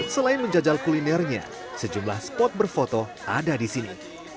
selain menjajal kulinernya sejumlah spot berfoto ada di sini